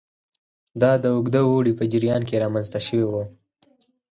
دا د اوږده اوړي په جریان کې رامنځته شوي وو